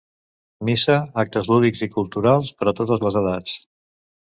Missa, actes lúdics i culturals per a totes les edats.